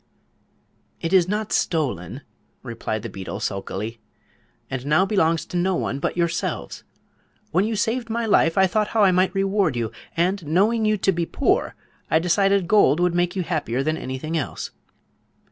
"It is not stolen," replied the beetle, sulkily, "and now belongs to no one but yourselves. When you saved my life I thought how I might reward you; and, knowing you to be poor, I decided gold would make you happier than anything else.